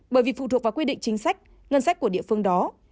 bởi vì phụ thuộc vào quy định chính sách ngân sách của địa phương đó